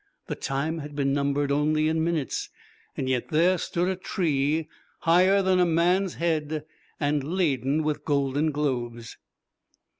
The time had been numbered only in minutes, yet there stood a tree higher than a man's head, and laden with golden globes.